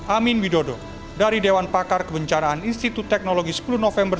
amin widodo dari dewan pakar kebencanaan institut teknologi sepuluh november dua ribu dua puluh